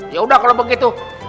ya sudah kalau begitu